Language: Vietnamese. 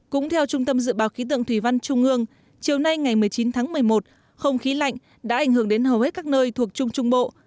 cũng theo trung tâm dự báo khí tượng thủy văn trung ương chiều nay ngày một mươi chín tháng một mươi một không khí lạnh đã ảnh hưởng đến hầu hết các nơi thuộc trung trung bộ